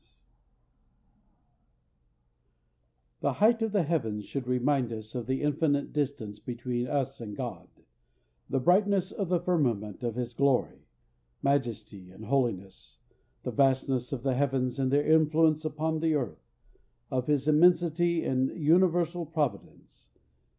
The height of the heavens should remind us of the infinite distance between us and God, the brightness of the firmament of his glory, majesty, and holiness, the vastness of the heavens and their influence upon the earth, of his immensity and universal providence.